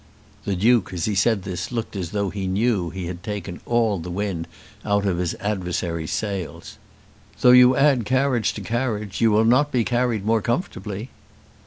The Duke as he said this looked as though he knew that he had taken all the wind out of his adversary's sails. "Though you add carriage to carriage, you will not be carried more comfortably."